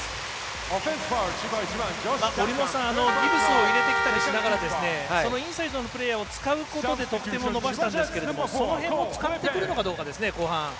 ギブスを入れてきたりしながらそのインサイドのプレーヤーを使うことで得点を伸ばしたんですけれどもその辺を使えてくるのかですね、後半。